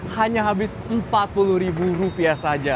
hanya habis empat puluh rupiah saja